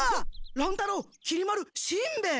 乱太郎きり丸しんべヱ！